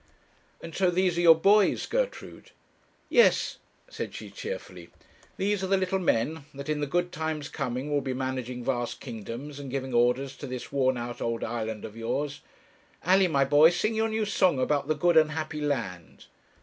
'And so these are your boys, Gertrude?' 'Yes,' said she, cheerfully; 'these are the little men, that in the good times coming will be managing vast kingdoms, and giving orders to this worn out old island of yours. Alley, my boy, sing your new song about the 'good and happy land.'